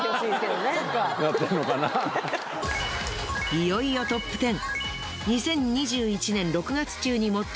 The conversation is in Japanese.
いよいよトップ１０。